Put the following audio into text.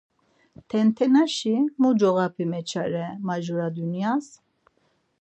Tentenaşi mu coğap̌i meçare majura dunyas?